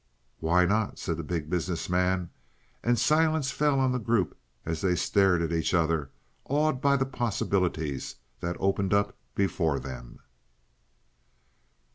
"Why not?" said the Big Business Man, and silence fell on the group as they stared at each other, awed by the possibilities that opened up before them.